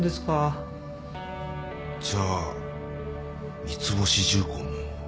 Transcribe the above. じゃあ三ツ星重工も。